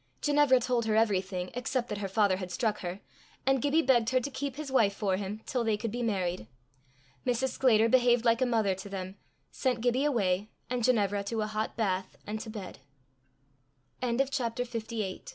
Ginevra told her everything except that her father had struck her, and Gibbie begged her to keep his wife for him till they could be married. Mrs. Sclater behaved like a mother to them, sent Gibbie away, and Ginevra to a hot bath and to bed. CHAPTER LIX. CATASTROPHE. Gibbie went